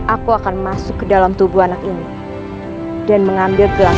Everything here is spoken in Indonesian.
aku akan masuk ke dalam tubuh anak ini dan mengambil gelang